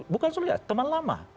bukan solidaritas teman lama